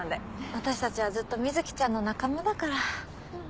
私たちはずっと水木ちゃんの仲間だから。